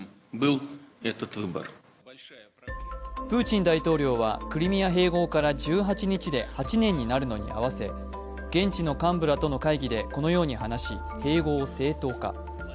プーチン大統領はクリミア併合から１８日で８年になるのに合わせ現地の幹部らとの会議でこのように話し、併合を正当化。